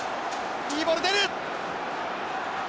いいボール出る！